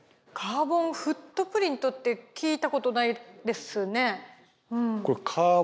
カーボンフットプリントって聞いたことないですね。